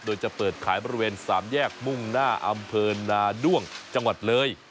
โดยจะเปิดขายบริเวณ๓แยกมุ่งหน้าอำเภอนาด้วงจังหวัดเลย